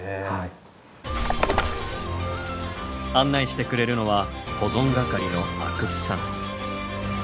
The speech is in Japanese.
案内してくれるのは保存係の阿久津さん。